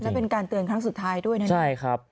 แล้วเป็นการเตือนครั้งสุดท้ายด้วยใช่ครับ